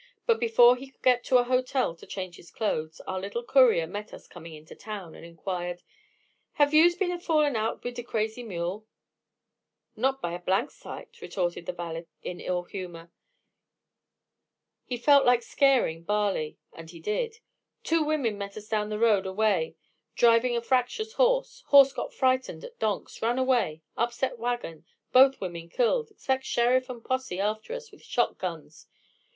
But before he could get to a hotel to change his clothes, our little courier met us coming into town, and inquired, "Hev yuse been havin' a fallin' out wid de crazy mule?" "Not by a blank sight," retorted the valet, in ill humor. He felt like scaring Barley, and he did. "Two women met us down the road a way driving a fractious horse horse got frightened at donks ran away upset wagon both women killed expect sheriff and posse after us with shot guns.